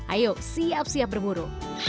ayo siap siap berburu